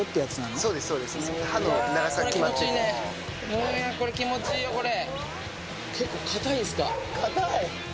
ムーヤンこれ気持ちいいよこれ。